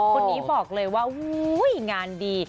คนนี้บอกเลยว่างานดี